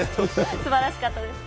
すばらしかったです。